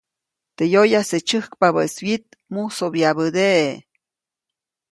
Teʼ yoyase tysäjkpabäʼis wyit, musobyabädeʼe.